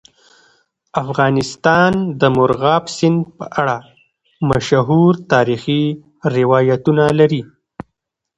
افغانستان د مورغاب سیند په اړه مشهور تاریخي روایتونه لري.